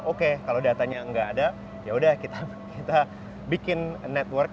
oke kalau datanya enggak ada ya sudah kita bikin network